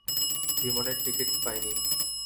বিমানের টিকেট পাইনি।